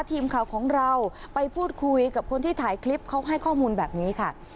ทีมข่าวของเราไปพูดคุยกับคนที่ถ่ายคลิปเขาให้ข้อมูลแบบนี้ค่ะ